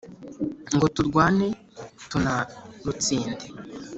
Ngo tururwane tuna rutsinde